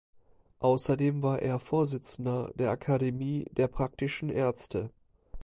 Außerdem war er Vorsitzender der Akademie der Praktischen Ärzte.